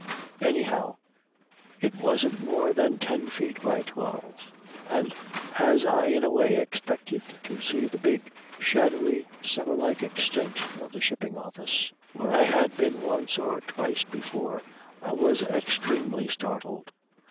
Anyhow it wasn't more than ten feet by twelve; and as I in a way expected to see the big shadowy cellar like extent of the Shipping Office where I had been once or twice before, I was extremely startled.